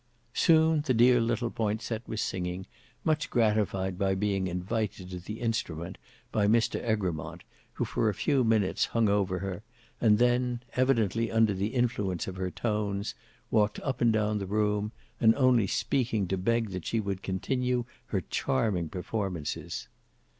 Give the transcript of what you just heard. Soon the dear little Poinsett was singing, much gratified by being invited to the instrument by Mr Egremont, who for a few minutes hung over her, and then evidently under the influence of her tones, walked up and down the room, and only speaking to beg that she would continue her charming performances.